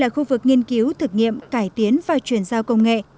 có một khu vực nghiên cứu thực nghiệm cải tiến và chuyển giao công nghệ